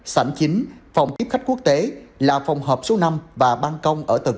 sảnh chính phòng tiếp khách quốc tế là phòng hợp số năm và băng công ở tầng một